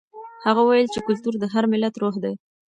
هغه وویل چې کلتور د هر ملت روح وي.